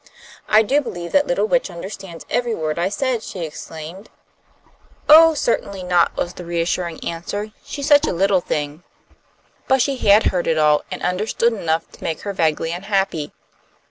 "I do believe that little witch understood every word I said," she exclaimed. "Oh, certainly not," was the reassuring answer. "She's such a little thing." But she had heard it all, and understood enough to make her vaguely unhappy.